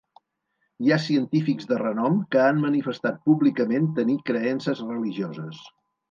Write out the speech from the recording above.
Hi ha científics de renom que han manifestat públicament tenir creences religioses.